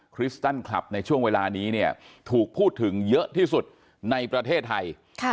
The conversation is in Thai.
คริสตันคลับในช่วงเวลานี้เนี่ยถูกพูดถึงเยอะที่สุดในประเทศไทย